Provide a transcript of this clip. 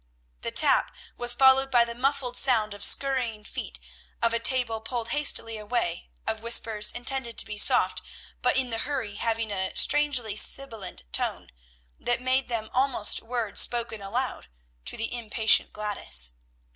The tap was followed by the muffled sound of scurrying feet, of a table pulled hastily away, of whispers intended to be soft, but in the hurry having a strangely sibilant tone, that made them almost words spoken aloud, to the impatient Gladys.